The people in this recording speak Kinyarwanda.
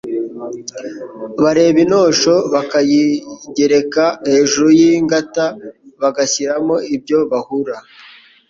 Bareba intosho bakayigereka hejuru y’ingata, bagashyiramo ibyo bahura